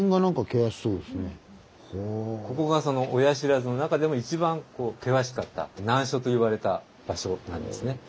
ここがその親不知の中でも一番険しかった難所と言われた場所なんですね。